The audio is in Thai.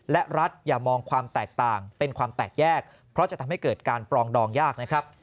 และรัฐอย่ามองความแตกต่างเป็นความแตกแยกเพราะจะทำให้เกิดการปรองดองยากนะครับ